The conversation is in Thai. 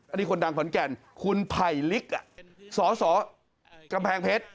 อันนี้คนดังขอนแก่นคุณไผ่ลิกสสกำแพงเพชร